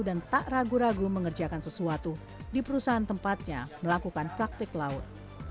dan tak ragu ragu mengerjakan sesuatu di perusahaan tempatnya melakukan praktik laut